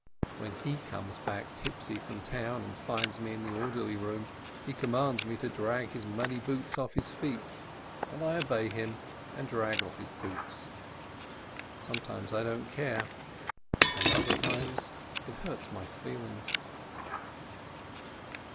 When Jie comes back tipsy from town, and finds me in the orderly room, he commands me to drag his muddy boots off his feet, and I obey him and drag off his boots. Sometimes I don't care, and other times it hurts my feelings.